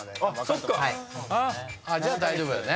じゃあ大丈夫よね。